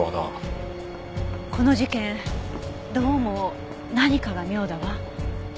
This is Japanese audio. この事件どうも何かが妙だわ。